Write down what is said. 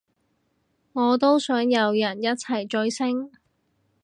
我都想有人一齊追星